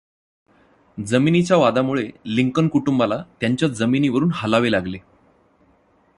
जमिनीच्या वादामुळे लिंकन कुटुंबाला त्यांच्या जमिनीवरून हलावे लागले.